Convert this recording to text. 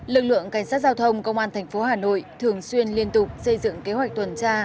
lực lượng cảnh sát giao thông công an tp hà nội thường xuyên liên tục xây dựng kế hoạch tuần tra